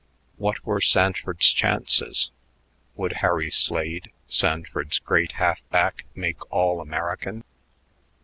What were Sanford's chances? Would Harry Slade, Sanford's great half back, make All American?